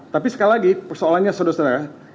tapi sekali lagi persoalannya saudara saudara